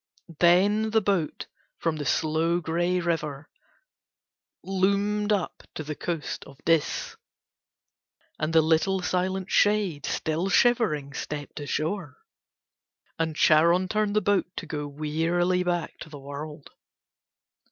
Then the boat from the slow, grey river loomed up to the coast of Dis and the little, silent shade still shivering stepped ashore, and Charon turned the boat to go wearily back to the world.